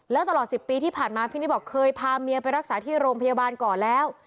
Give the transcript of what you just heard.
แล้วตลอด๑๐ปีที่ผ่านมาพี่นิดบอกเคยพาเมียไปรักษาที่โรงพยาบาลก่อนแล้ว